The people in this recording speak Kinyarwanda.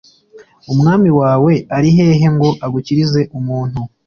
umwami wawe ari hehe ngo agukirize umuntu.